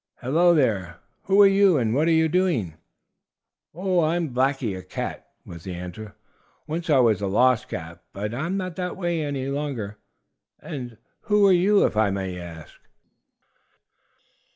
"Hello there! Who are you and where are you going?" "Oh, I'm Blackie, a cat," was the answer. "Once I was a lost cat, but I'm not that way any longer. Who are you, if I may ask?"